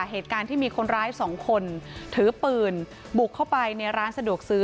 เหตุการณ์ที่มีคนร้ายสองคนถือปืนบุกเข้าไปในร้านสะดวกซื้อ